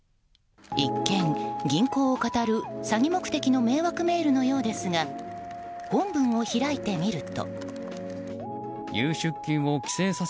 一見、銀行をかたる詐欺目的のメールのようですが本文を開いてみると。